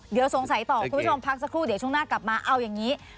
เดี๋ยวสงสัยต่อคุณผู้ชมพักสักครู่เดี๋ยวช่วงหน้ากลับมาเอาอย่างนี้